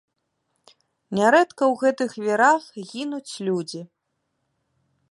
Нярэдка ў гэтых вірах гінуць людзі.